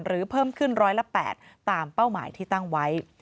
เพิ่มขึ้นร้อยละ๘ตามเป้าหมายที่ตั้งไว้